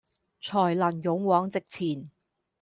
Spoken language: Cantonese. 才能勇往直前